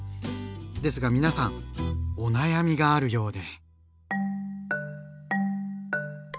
ですが皆さんお悩みがあるようで。